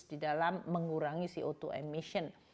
di dalam mengurangi co dua emission